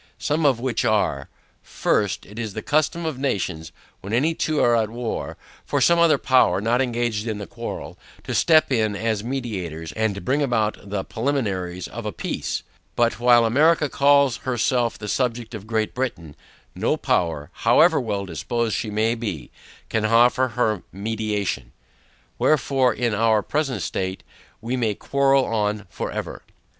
Some of which are, FIRST It is the custom of nations, when any two are at war, for some other powers, not engaged in the quarrel, to step in as mediators, and bring about the preliminaries of a peace: but while America calls herself the Subject of Great Britain, no power, however well disposed she may be, can offer her mediation. Wherefore, in our present state we may quarrel on for ever.